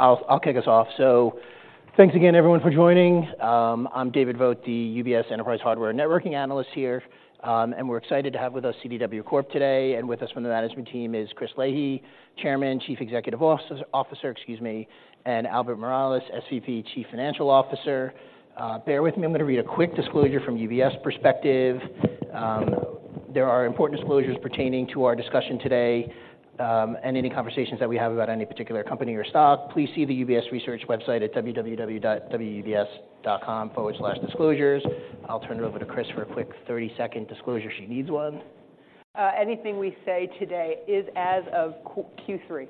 I'll kick us off. So thanks again everyone for joining. I'm David Vogt, the UBS Enterprise Hardware Networking analyst here. And we're excited to have with us CDW Corp today, and with us from the management team is Chris Leahy, Chairman and Chief Executive Officer, excuse me, and Albert Miralles, SVP, Chief Financial Officer. Bear with me, I'm gonna read a quick disclosure from UBS perspective. There are important disclosures pertaining to our discussion today, and any conversations that we have about any particular company or stock. Please see the UBS Research website at www.ubs.com/disclosures. I'll turn it over to Chris for a quick 30-second disclosure, if she needs one. Anything we say today is as of Q3.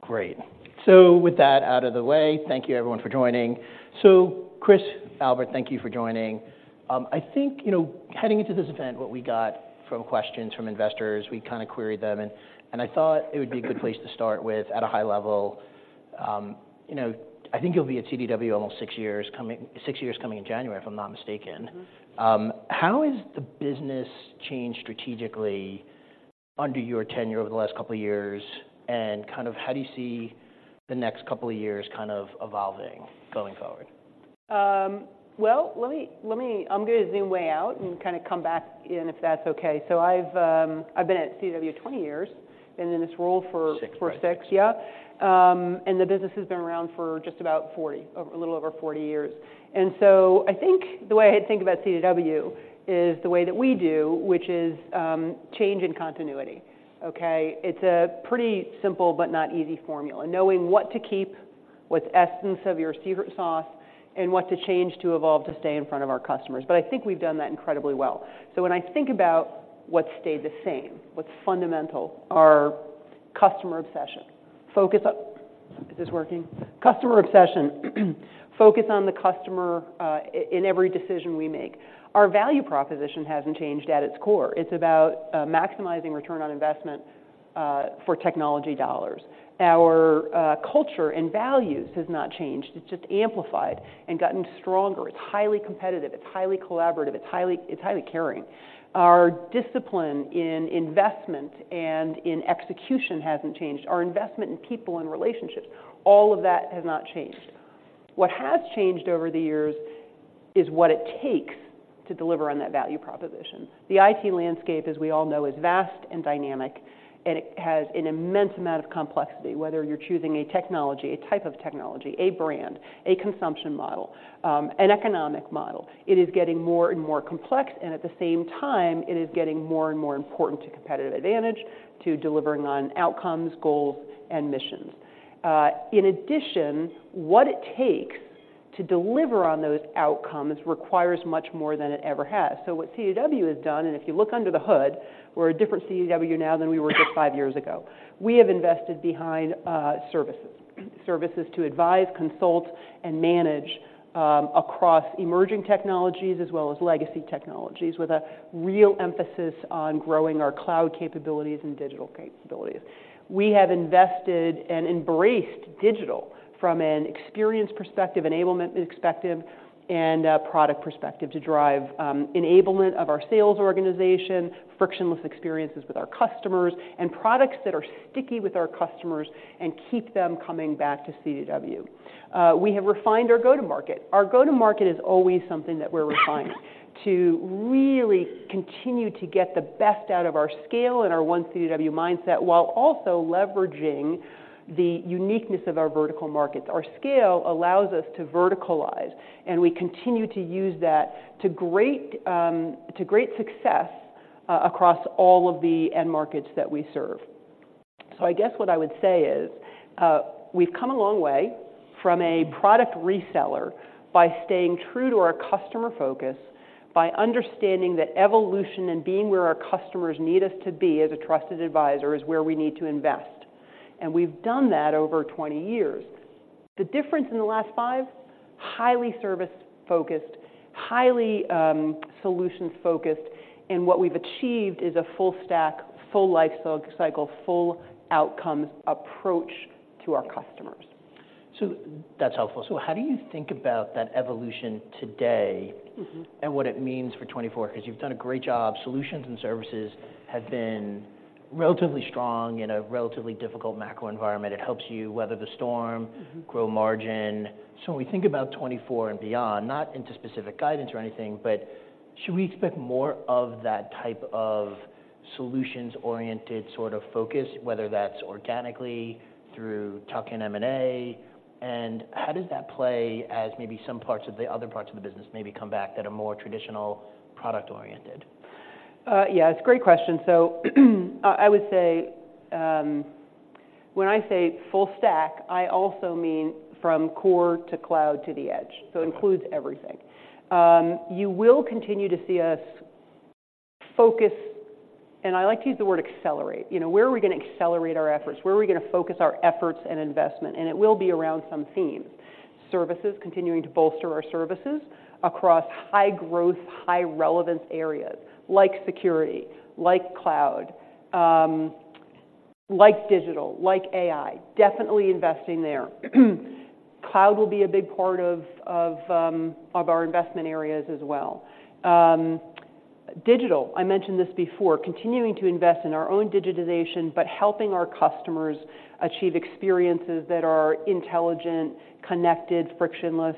Great. So with that out of the way, thank you everyone for joining. So Chris, Albert, thank you for joining. I think, you know, heading into this event, what we got from questions from investors, we kinda queried them, and I thought it would be a good place to start with at a high level. You know, I think you'll be at CDW almost six years coming in January, if I'm not mistaken. Mm-hmm. How has the business changed strategically under your tenure over the last couple of years, and kind of how do you see the next couple of years kind of evolving going forward? Well, let me... I'm gonna zoom way out and kinda come back in, if that's okay. So I've been at CDW 20 years, been in this role for- Six, right? -for six, yeah. And the business has been around for just about 40, a little over 40 years. And so I think the way I think about CDW is the way that we do, which is, change and continuity, okay? It's a pretty simple but not easy formula. Knowing what to keep, what's essence of your secret sauce, and what to change to evolve to stay in front of our customers. But I think we've done that incredibly well. So when I think about what's stayed the same, what's fundamental, our customer obsession. Focus up... Is this working? Customer obsession. Focus on the customer, in every decision we make. Our value proposition hasn't changed at its core. It's about, maximizing return on investment, for technology dollars. Our, culture and values has not changed. It's just amplified and gotten stronger. It's highly competitive, it's highly collaborative, it's highly, it's highly caring. Our discipline in investment and in execution hasn't changed. Our investment in people and relationships, all of that has not changed. What has changed over the years is what it takes to deliver on that value proposition. The IT landscape, as we all know, is vast and dynamic, and it has an immense amount of complexity, whether you're choosing a technology, a type of technology, a brand, a consumption model, an economic model. It is getting more and more complex, and at the same time, it is getting more and more important to competitive advantage, to delivering on outcomes, goals, and missions. In addition, what it takes to deliver on those outcomes requires much more than it ever has. So what CDW has done, and if you look under the hood, we're a different CDW now than we were just five years ago. We have invested behind services. Services to advise, consult, and manage across emerging technologies as well as legacy technologies, with a real emphasis on growing our cloud capabilities and digital capabilities. We have invested and embraced digital from an experience perspective, enablement perspective, and a product perspective to drive enablement of our sales organization, frictionless experiences with our customers, and products that are sticky with our customers and keep them coming back to CDW. We have refined our go-to-market. Our go-to-market is always something that we're refining, to really continue to get the best out of our scale and our One CDW mindset, while also leveraging the uniqueness of our vertical markets. Our scale allows us to verticalize, and we continue to use that to great success across all of the end markets that we serve. So I guess what I would say is, we've come a long way from a product reseller by staying true to our customer focus, by understanding that evolution and being where our customers need us to be as a trusted advisor is where we need to invest, and we've done that over 20 years. The difference in the last 5, highly service-focused, highly solutions-focused, and what we've achieved is a full stack, full life cycle, full outcomes approach to our customers. So that's helpful. So how do you think about that evolution today? Mm-hmm... and what it means for 2024? 'Cause you've done a great job. Solutions and services have been relatively strong in a relatively difficult macro environment. It helps you weather the storm- Mm-hmm... gross margin. So when we think about 2024 and beyond, not into specific guidance or anything, but should we expect more of that type of solutions-oriented sort of focus, whether that's organically through tuck-in M&A? And how does that play as maybe some parts of the other parts of the business maybe come back that are more traditional product-oriented? Yeah, it's a great question. So, I would say, when I say full stack, I also mean from core to cloud to the edge. Okay. So it includes everything. You will continue to see us focus, and I like to use the word accelerate. You know, where are we gonna accelerate our efforts? Where are we gonna focus our efforts and investment? And it will be around some themes. Services, continuing to bolster our services across high growth, high relevance areas like security, like cloud, like digital, like AI, definitely investing there. Cloud will be a big part of of our investment areas as well. Digital, I mentioned this before, continuing to invest in our own digitization, but helping our customers achieve experiences that are intelligent, connected, frictionless,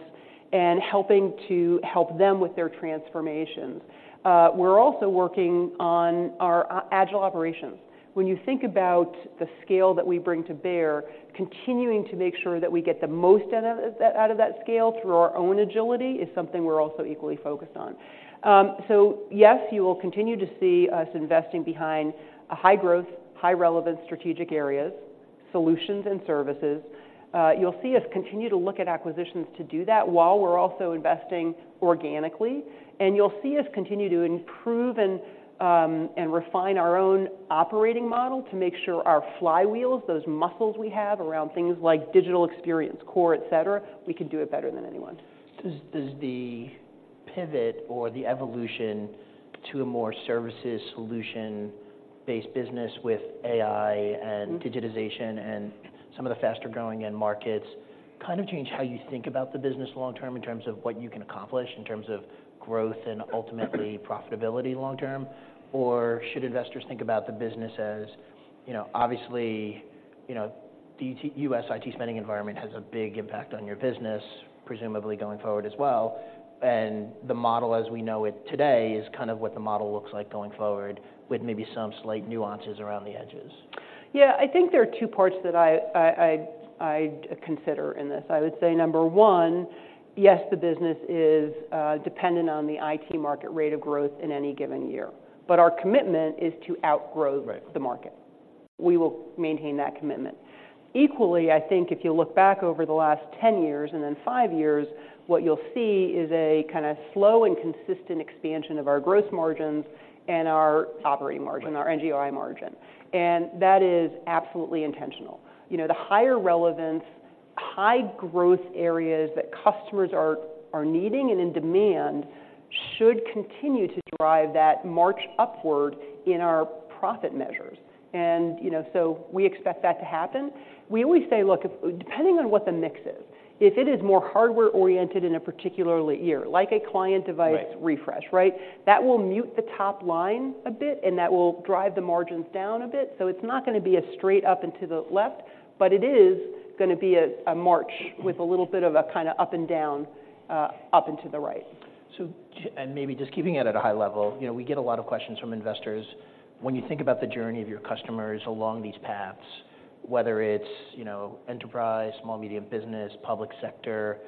and helping to help them with their transformations. We're also working on our agile operations. When you think about the scale that we bring to bear, continuing to make sure that we get the most out of that scale through our own agility is something we're also equally focused on. So yes, you will continue to see us investing behind a high growth, high relevant strategic areas, solutions and services. You'll see us continue to look at acquisitions to do that, while we're also investing organically, and you'll see us continue to improve and refine our own operating model to make sure our flywheels, those muscles we have around things like digital experience, core, et cetera, we can do it better than anyone. Does the pivot or the evolution to a more services solution-based business with AI and- Mm-hmm. Digitization and some of the faster growing end markets, kind of change how you think about the business long term in terms of what you can accomplish, in terms of growth and ultimately profitability long term? Or should investors think about the business as, you know, obviously, you know, the U.S. IT spending environment has a big impact on your business, presumably going forward as well, and the model as we know it today is kind of what the model looks like going forward, with maybe some slight nuances around the edges? Yeah, I think there are two parts that I'd consider in this. I would say, number one, yes, the business is dependent on the IT market rate of growth in any given year, but our commitment is to outgrow- Right... the market. We will maintain that commitment. Equally, I think if you look back over the last 10 years and then five years, what you'll see is a kind of slow and consistent expansion of our gross margins and our operating margin- Right Our NGOI margin, and that is absolutely intentional. You know, the higher relevance, high growth areas that customers are, are needing and in demand, should continue to drive that march upward in our profit measures. And, you know, so we expect that to happen. We always say, look, if, depending on what the mix is, if it is more hardware-oriented in a particular year, like a Client Device- Right Refresh, right? That will mute the top line a bit, and that will drive the margins down a bit. So it's not gonna be a straight up and to the left, but it is gonna be a march with a little bit of a kinda up and down, up and to the right. And maybe just keeping it at a high level, you know, we get a lot of questions from investors. When you think about the journey of your customers along these paths, whether it's, you know, enterprise, small, medium business, public sector,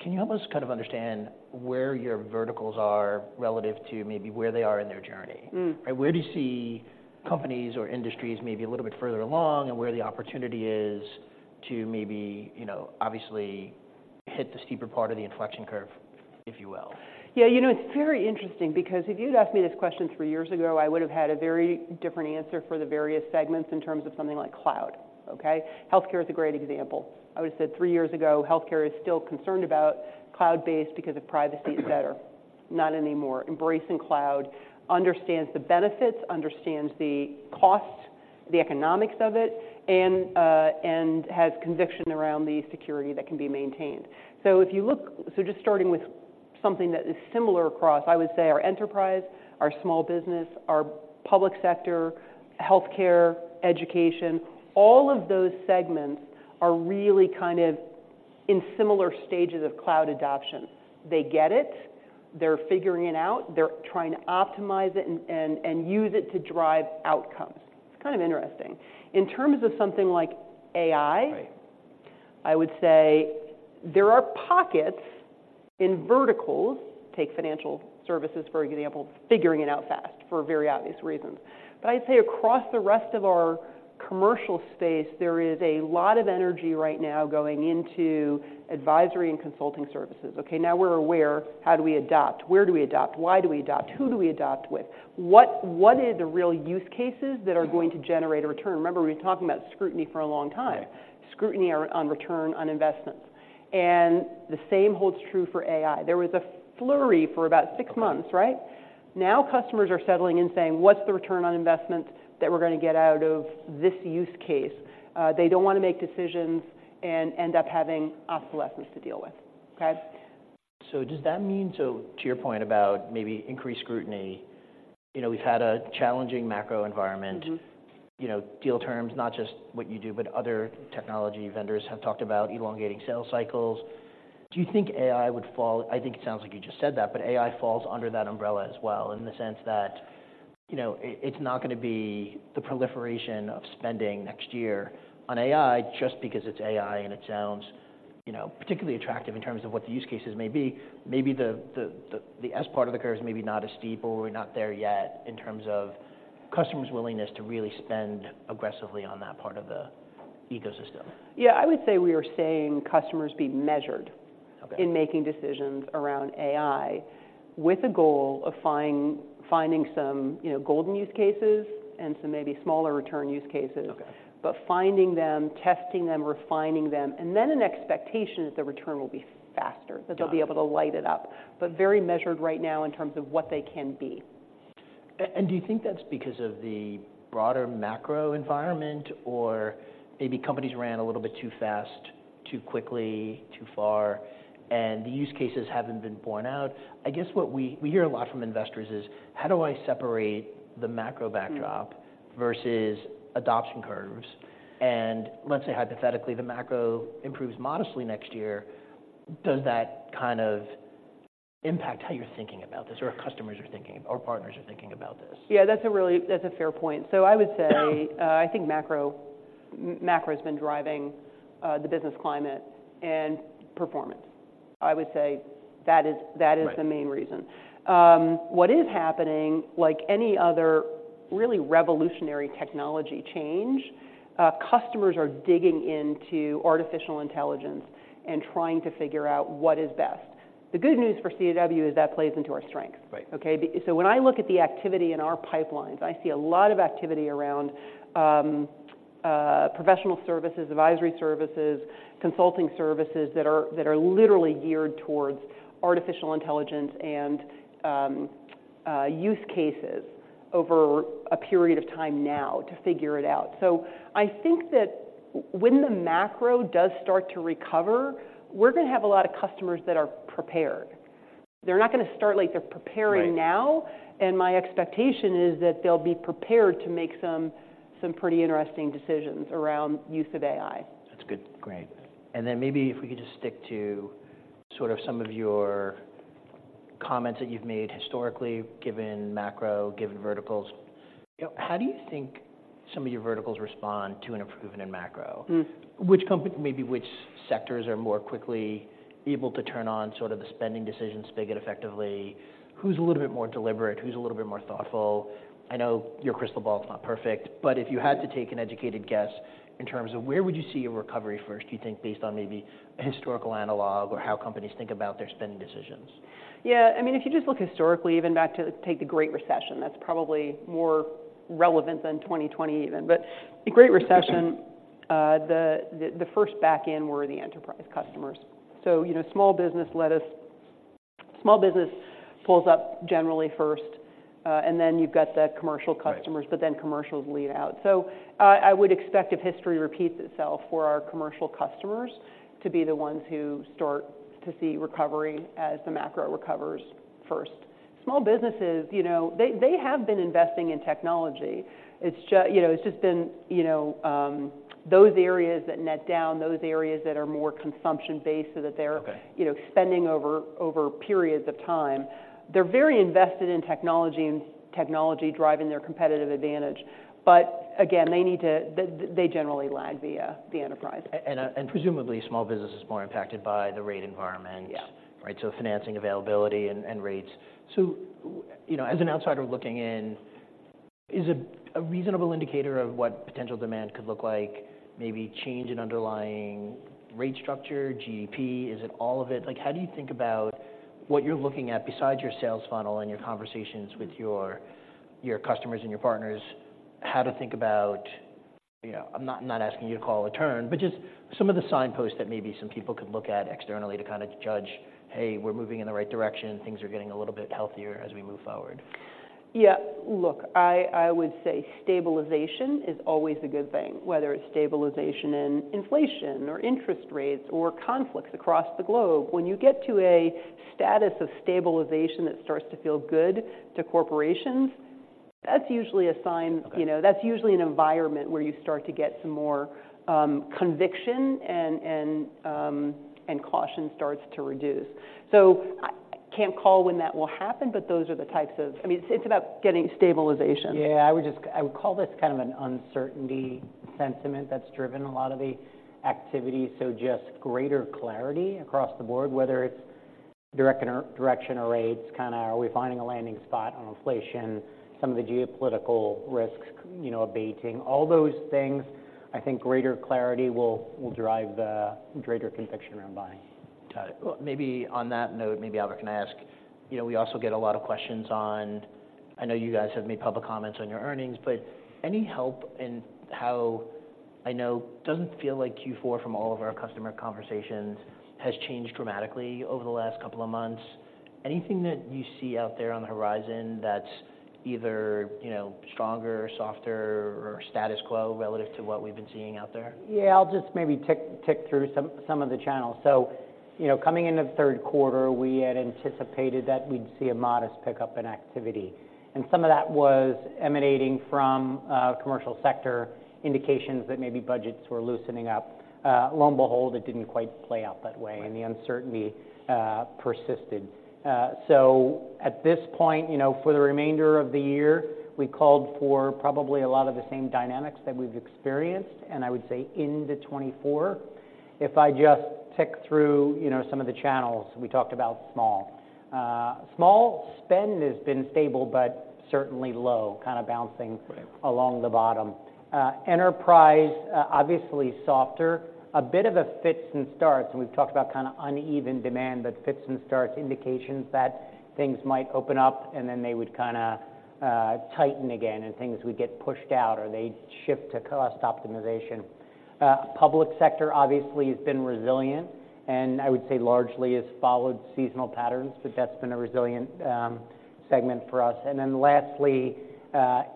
can you help us kind of understand where your verticals are relative to maybe where they are in their journey? Mm. Right, where do you see companies or industries maybe a little bit further along, and where the opportunity is to maybe, you know, obviously hit the steeper part of the inflection curve, if you will? Yeah, you know, it's very interesting, because if you'd asked me this question three years ago, I would have had a very different answer for the various segments in terms of something like cloud, okay? Healthcare is a great example. I would have said three years ago, healthcare is still concerned about cloud-based because of privacy, et cetera. Not anymore. Embracing cloud, understands the benefits, understands the costs, the economics of it, and, and has conviction around the security that can be maintained. So if you look... So just starting with something that is similar across, I would say our enterprise, our small business, our public sector, healthcare, education, all of those segments are really kind of in similar stages of cloud adoption. They get it. They're figuring it out. They're trying to optimize it and, and, and use it to drive outcomes. It's kind of interesting. In terms of something like AI. Right... I would say there are pockets in verticals, take financial services, for example, figuring it out fast for very obvious reasons. But I'd say across the rest of our commercial space, there is a lot of energy right now going into advisory and consulting services. Okay, now we're aware, how do we adopt? Where do we adopt? Why do we adopt? Who do we adopt with? What, what are the real use cases that are going to generate a return? Remember, we've been talking about scrutiny for a long time... Right... scrutiny on return on investments, and the same holds true for AI. There was a flurry for about six months, right? Now, customers are settling in, saying: "What's the return on investment that we're gonna get out of this use case?" They don't wanna make decisions and end up having obsolescence to deal with, okay? So, does that mean... So, to your point about maybe increased scrutiny, you know, we've had a challenging macro environment. Mm-hmm. You know, deal terms, not just what you do, but other technology vendors have talked about elongating sales cycles. Do you think AI would fall? I think it sounds like you just said that, but AI falls under that umbrella as well, in the sense that, you know, it, it's not gonna be the proliferation of spending next year on AI just because it's AI and it sounds, you know, particularly attractive in terms of what the use cases may be. Maybe the S part of the curve is maybe not as steep, or we're not there yet in terms of customers' willingness to really spend aggressively on that part of the ecosystem. Yeah, I would say we are seeing customers being measured- Okay... in making decisions around AI, with a goal of finding some, you know, golden use cases and some maybe smaller return use cases. Okay. Finding them, testing them, refining them, and then an expectation that the return will be faster- Got it... that they'll be able to light it up. But very measured right now in terms of what they can be. and do you think that's because of the broader macro environment, or maybe companies ran a little bit too fast, too quickly, too far, and the use cases haven't been borne out? I guess what we, we hear a lot from investors is: How do I separate the macro backdrop- Hmm. versus adoption curves? And let's say, hypothetically, the macro improves modestly next year. Does that kind of impact how you're thinking about this, or your customers are thinking, or partners are thinking about this? Yeah, that's a really fair point. So I would say, I think macro, macro's been driving the business climate and performance. I would say that is, that is the- Right... main reason. What is happening, like any other really revolutionary technology change, customers are digging into artificial intelligence and trying to figure out what is best. The good news for CDW is that plays into our strength. Right. Okay, so when I look at the activity in our pipelines, I see a lot of activity around professional services, advisory services, consulting services that are literally geared towards artificial intelligence and use cases over a period of time now to figure it out. So I think that when the macro does start to recover, we're gonna have a lot of customers that are prepared. They're not gonna start like they're preparing now- Right. My expectation is that they'll be prepared to make some pretty interesting decisions around use of AI. That's good. Great. And then maybe if we could just stick to sort of some of your comments that you've made historically, given macro, given verticals. You know, how do you think some of your verticals respond to an improvement in macro? Hmm. Which, maybe which sectors are more quickly able to turn on sort of the spending decision spigot effectively? Who's a little bit more deliberate? Who's a little bit more thoughtful? I know your crystal ball is not perfect, but if you had to take an educated guess in terms of where would you see a recovery first, do you think, based on maybe a historical analog or how companies think about their spending decisions? Yeah, I mean, if you just look historically, even back to, take the Great Recession, that's probably more relevant than 2020 even. But the Great Recession, the first back in were the enterprise customers. So, you know, small business pulls up generally first, and then you've got the commercial customers- Right... but then commercials lead out. So, I would expect if history repeats itself, for our commercial customers to be the ones who start to see recovery as the macro recovers first. Small businesses, you know, they, they have been investing in technology. It's just been, you know, those areas that net down, those areas that are more consumption-based, so that they're- Okay... you know, spending over, over periods of time. They're very invested in technology and technology driving their competitive advantage, but again, they need to, they generally lag via the enterprise. And presumably, small business is more impacted by the rate environment. Yeah. Right, so financing availability and rates. So, you know, as an outsider looking in, is a reasonable indicator of what potential demand could look like, maybe change in underlying rate structure, GDP? Is it all of it? Like, how do you think about what you're looking at besides your sales funnel and your conversations with your customers and your partners? How to think about... You know, I'm not asking you to call a turn, but just some of the signposts that maybe some people could look at externally to kinda judge, "Hey, we're moving in the right direction. Things are getting a little bit healthier as we move forward. Yeah. Look, I, I would say stabilization is always a good thing, whether it's stabilization in inflation or interest rates or conflicts across the globe. When you get to a status of stabilization that starts to feel good to corporations, that's usually a sign- Okay... you know, that's usually an environment where you start to get some more conviction, and caution starts to reduce. So I can't call when that will happen, but those are the types of— I mean, it's about getting stabilization. Yeah, I would call this kind of an uncertainty sentiment that's driven a lot of the activity. So just greater clarity across the board, whether it's direction or rates, kinda are we finding a landing spot on inflation? Some of the geopolitical risks, you know, abating. All those things, I think greater clarity will drive the greater conviction around buying. Got it. Well, maybe on that note, maybe, Albert, can I ask, you know, we also get a lot of questions on... I know you guys have made public comments on your earnings, but any help in how... I know it doesn't feel like Q4 from all of our customer conversations has changed dramatically over the last couple of months. Anything that you see out there on the horizon that's either, you know, stronger, softer, or status quo relative to what we've been seeing out there? Yeah, I'll just maybe tick through some of the channels. So, you know, coming into the third quarter, we had anticipated that we'd see a modest pickup in activity, and some of that was emanating from commercial sector indications that maybe budgets were loosening up. Lo and behold, it didn't quite play out that way. Right... and the uncertainty persisted. So at this point, you know, for the remainder of the year, we called for probably a lot of the same dynamics that we've experienced, and I would say into 2024. If I just tick through, you know, some of the channels, we talked about small. Small spend has been stable but certainly low, kinda bouncing- Right... along the bottom. Enterprise, obviously softer, a bit of a fits and starts, and we've talked about kinda uneven demand, but fits and starts, indications that things might open up, and then they would kinda tighten again, and things would get pushed out or they'd shift to cost optimization. Public sector obviously has been resilient, and I would say largely has followed seasonal patterns, but that's been a resilient segment for us. And then lastly,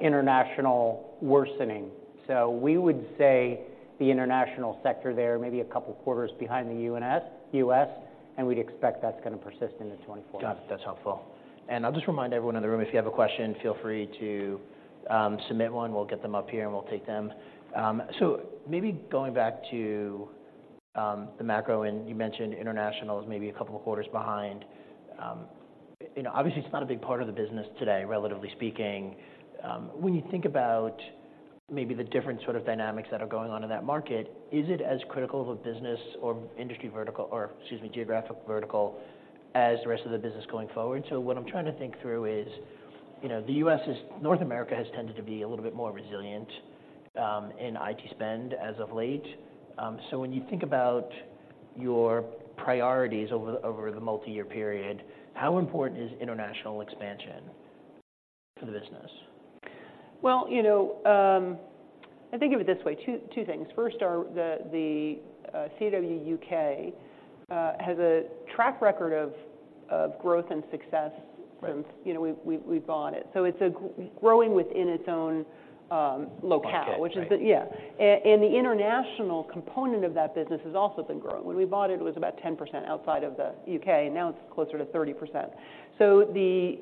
international worsening. So we would say the international sector there may be a couple of quarters behind the U.S., and we'd expect that's gonna persist into 2024. Got it. That's helpful. I'll just remind everyone in the room, if you have a question, feel free to submit one. We'll get them up here, and we'll take them. So maybe going back to the macro, and you mentioned international is maybe a couple of quarters behind. You know, obviously, it's not a big part of the business today, relatively speaking. When you think about maybe the different sort of dynamics that are going on in that market, is it as critical of a business or industry vertical or, excuse me, geographic vertical as the rest of the business going forward? So what I'm trying to think through is, you know, the U.S. is- North America has tended to be a little bit more resilient in IT spend as of late. So, when you think about your priorities over the multi-year period, how important is international expansion for the business? Well, you know, I think of it this way, two things. First are the CDW UK has a track record of growth and success- Right - since, you know, we've bought it. So it's growing within its own locale- Locale. The international component of that business has also been growing. When we bought it, it was about 10% outside of the U.K., and now it's closer to 30%. So the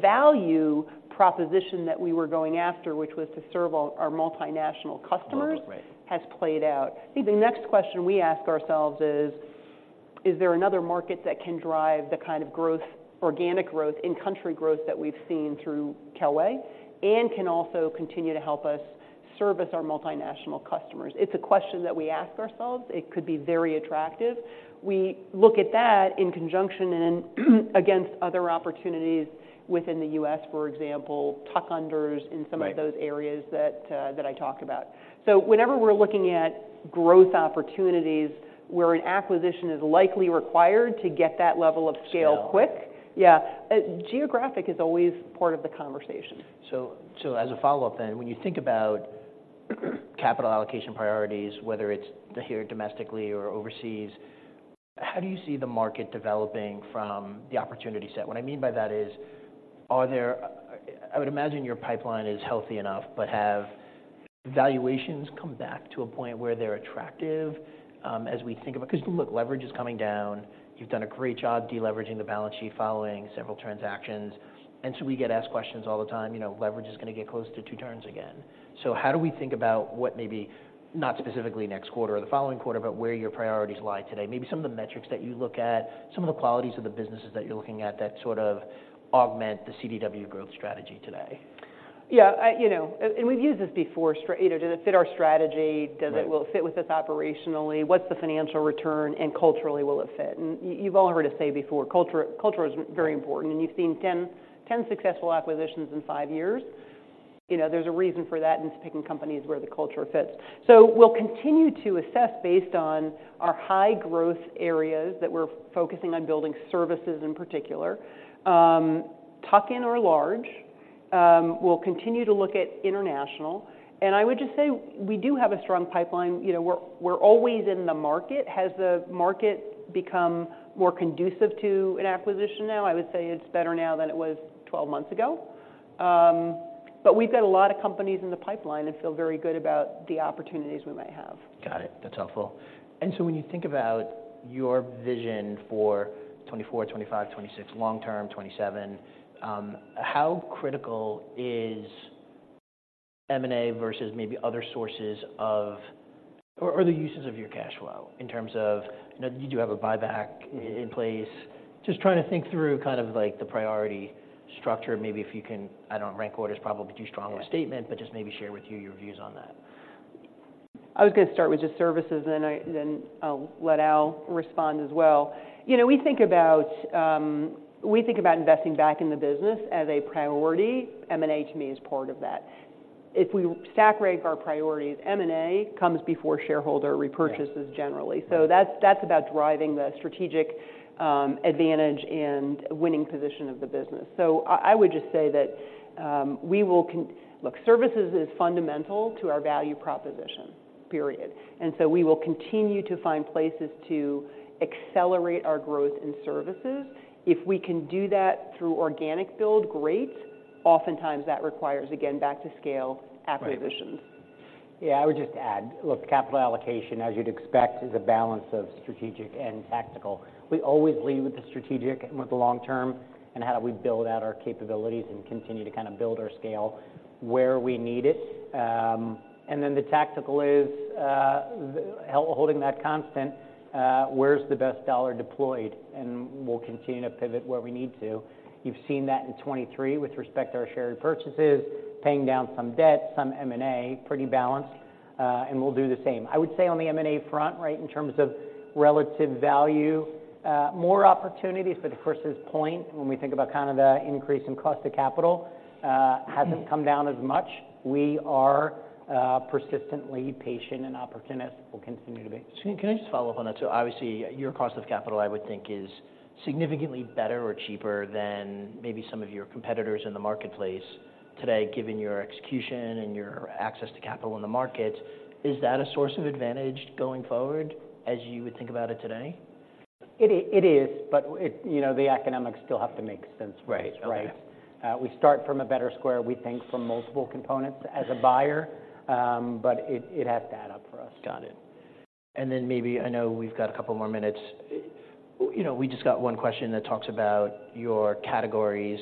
value proposition that we were going after, which was to serve all our multinational customers- Right has played out. I think the next question we ask ourselves is, Is there another market that can drive the kind of growth, organic growth, in-country growth that we've seen through Kelway, and can also continue to help us service our multinational customers? It's a question that we ask ourselves. It could be very attractive. We look at that in conjunction and, against other opportunities within the U.S., for example, tuck unders- Right in some of those areas that I talked about. So whenever we're looking at growth opportunities, where an acquisition is likely required to get that level of scale quick- Scale. Yeah. Geographic is always part of the conversation. So, as a follow-up then, when you think about capital allocation priorities, whether it's here domestically or overseas, how do you see the market developing from the opportunity set? What I mean by that is, are there... I would imagine your pipeline is healthy enough, but have valuations come back to a point where they're attractive, as we think about—'cause, look, leverage is coming down. You've done a great job deleveraging the balance sheet, following several transactions, and so we get asked questions all the time, you know, leverage is gonna get close to two turns again. So how do we think about what maybe, not specifically next quarter or the following quarter, but where your priorities lie today? Maybe some of the metrics that you look at, some of the qualities of the businesses that you're looking at that sort of augment the CDW growth strategy today. Yeah, you know, and we've used this before. You know, does it fit our strategy? Right. Does it, well, fit with us operationally? What's the financial return, and culturally, will it fit? And you've all heard us say before, culture, culture is very important, and you've seen 10, 10 successful acquisitions in five years. You know, there's a reason for that, and it's picking companies where the culture fits. So we'll continue to assess based on our high growth areas that we're focusing on building services in particular, tuck in or large. We'll continue to look at international, and I would just say we do have a strong pipeline. You know, we're always in the market. Has the market become more conducive to an acquisition now? I would say it's better now than it was 12 months ago. But we've got a lot of companies in the pipeline and feel very good about the opportunities we might have. Got it. That's helpful. And so when you think about your vision for 2024, 2025, 2026, long-term, 2027, how critical is M&A versus maybe other sources of... Or, or the uses of your cash flow in terms of, you know, you do have a buyback- Mm-hmm. - in place. Just trying to think through kind of like the priority structure. Maybe if you can, I don't know, rank order is probably too strong of a statement- Yeah But just maybe share with you your views on that. I was gonna start with just services, and then I'll let Al respond as well. You know, we think about investing back in the business as a priority. M&A, to me, is part of that. If we stack rank our priorities, M&A comes before shareholder repurchases- Yeah - generally. Mm-hmm. So that's, that's about driving the strategic, advantage and winning position of the business. So I, I would just say that, we will Look, services is fundamental to our value proposition, period. And so we will continue to find places to accelerate our growth in services. If we can do that through organic build, great. Oftentimes, that requires, again, back to scale, acquisitions. Right. Yeah, I would just add, look, capital allocation, as you'd expect, is a balance of strategic and tactical. We always lead with the strategic and with the long term, and how do we build out our capabilities and continue to kind of build our scale where we need it. And then the tactical is, holding that constant, where's the best dollar deployed? And we'll continue to pivot where we need to. You've seen that in 2023 with respect to our share purchases, paying down some debt, some M&A, pretty balanced, and we'll do the same. I would say on the M&A front, right, in terms of relative value, more opportunities, but to Christine's point, when we think about kind of the increase in cost of capital, Mm-hmm... hasn't come down as much. We are persistently patient and opportunist. We'll continue to be. Can I just follow up on that? Obviously, your cost of capital, I would think, is significantly better or cheaper than maybe some of your competitors in the marketplace today, given your execution and your access to capital in the market. Is that a source of advantage going forward, as you would think about it today?... It is, but you know, the economics still have to make sense, right? Right. Right. We start from a better square, we think, from multiple components as a buyer, but it, it has to add up for us. Got it. And then maybe, I know we've got a couple more minutes. You know, we just got one question that talks about your categories.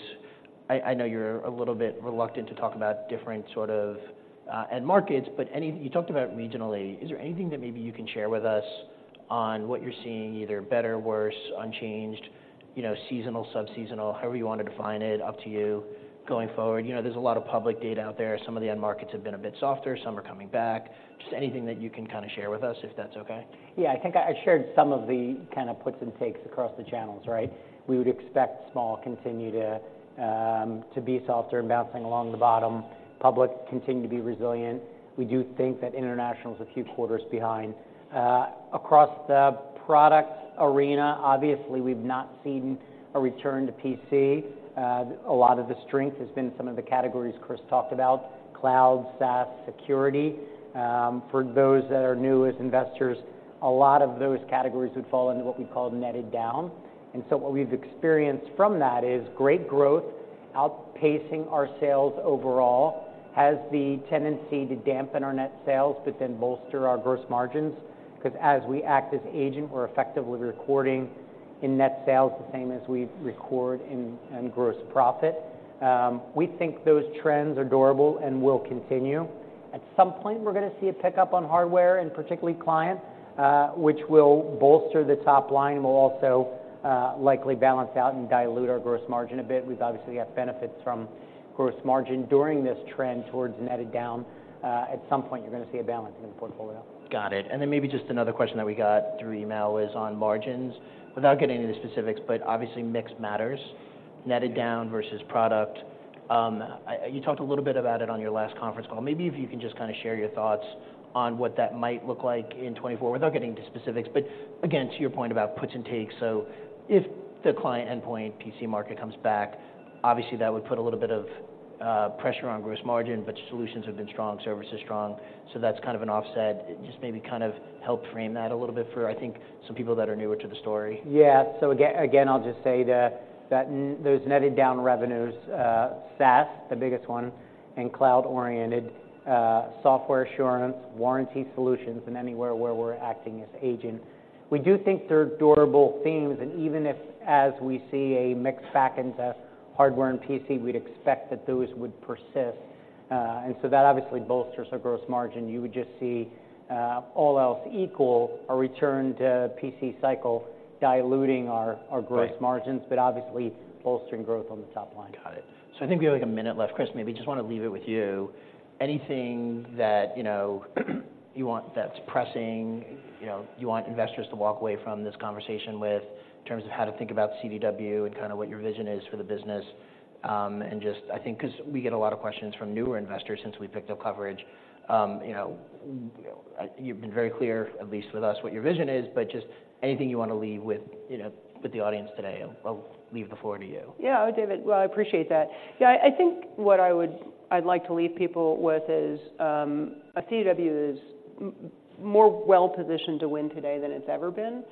I, I know you're a little bit reluctant to talk about different sort of, end markets, but you talked about regionally, is there anything that maybe you can share with us on what you're seeing, either better, worse, unchanged, you know, seasonal, sub-seasonal, however you want to define it, up to you, going forward? You know, there's a lot of public data out there. Some of the end markets have been a bit softer, some are coming back. Just anything that you can kinda share with us, if that's okay? Yeah, I think I shared some of the kinda puts and takes across the channels, right? We would expect small continue to be softer and bouncing along the bottom, public continue to be resilient. We do think that international is a few quarters behind. Across the product arena, obviously, we've not seen a return to PC. A lot of the strength has been in some of the categories Chris talked about, cloud, SaaS, security. For those that are new as investors, a lot of those categories would fall into what we call netted down. And so what we've experienced from that is great growth, outpacing our sales overall, has the tendency to dampen our net sales, but then bolster our gross margins. 'Cause as we act as agent, we're effectively recording in net sales the same as we record in gross profit. We think those trends are durable and will continue. At some point, we're gonna see a pickup on hardware, and particularly client, which will bolster the top line, will also likely balance out and dilute our gross margin a bit. We've obviously got benefits from gross margin during this trend towards netted down. At some point, you're gonna see a balancing in the portfolio. Got it. And then maybe just another question that we got through email is on margins. Without getting into the specifics, but obviously, mix matters- Yeah... netted down versus product. I you talked a little bit about it on your last conference call. Maybe if you can just kinda share your thoughts on what that might look like in 2024, without getting into specifics, but again, to your point about puts and takes. So if the client endpoint PC market comes back, obviously, that would put a little bit of pressure on gross margin, but solutions have been strong, service is strong, so that's kind of an offset. Just maybe kind of help frame that a little bit for, I think, some people that are newer to the story. Yeah. So again, again, I'll just say that those netted down revenues, SaaS, the biggest one, and cloud-oriented software assurance, warranty solutions, and anywhere where we're acting as agent. We do think they're durable themes, and even if, as we see a mix back into hardware and PC, we'd expect that those would persist. And so that obviously bolsters our gross margin. You would just see, all else equal, a return to PC cycle diluting our, our- Right... gross margins, but obviously, bolstering growth on the top line. Got it. So I think we have, like, a minute left. Chris, maybe just wanna leave it with you. Anything that, you know, you want—that's pressing, you know, you want investors to walk away from this conversation with, in terms of how to think about CDW and kinda what your vision is for the business? And just, I think 'cause we get a lot of questions from newer investors since we picked up coverage. You know, you've been very clear, at least with us, what your vision is, but just anything you wanna leave with, you know, with the audience today? I'll leave the floor to you. Yeah, David, well, I appreciate that. Yeah, I think what I would- I'd like to leave people with is, CDW is more well-positioned to win today than it's ever been,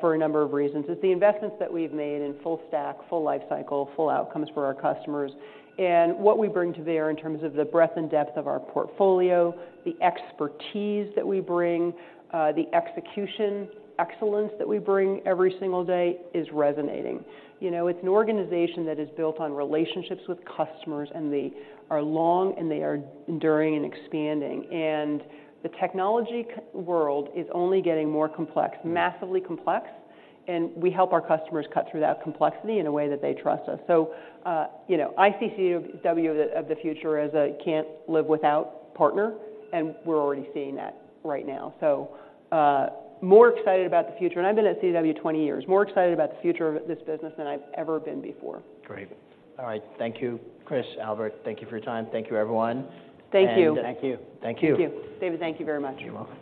for a number of reasons. It's the investments that we've made in full stack, full life cycle, full outcomes for our customers, and what we bring to there in terms of the breadth and depth of our portfolio, the expertise that we bring, the execution excellence that we bring every single day is resonating. You know, it's an organization that is built on relationships with customers, and they are long, and they are enduring and expanding. And the technology world is only getting more complex- Mm... massively complex, and we help our customers cut through that complexity in a way that they trust us. So, you know, I see CDW of the future as a can't-live-without partner, and we're already seeing that right now. So, more excited about the future, and I've been at CDW 20 years, more excited about the future of this business than I've ever been before. Great. All right. Thank you, Chris, Albert, thank you for your time. Thank you, everyone. Thank you. Thank you. Thank you. Thank you. David, thank you very much. You're welcome.